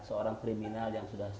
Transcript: seorang kriminal yang sudah